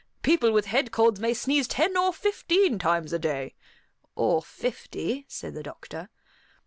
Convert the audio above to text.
"People with head colds may sneeze ten or fifteen times a day." "Or fifty," said the doctor.